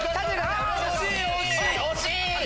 惜しい！